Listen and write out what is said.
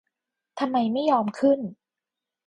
ทำไมไม่ยอมขึ้น